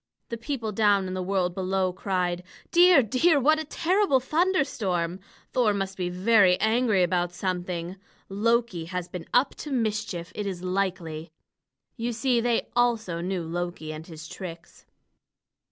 The people down in the world below cried: "Dear, dear! What a terrible thunderstorm! Thor must be very angry about something. Loki has been up to mischief, it is likely." You see, they also knew Loki and his tricks.